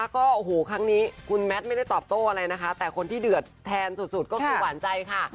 ก็โอ้โหครั้งนี้คุณแมทไม่ได้ตอบโต้อะไรนะคะแต่คนที่เดือดแทนสุดก็คือหวานใจค่ะ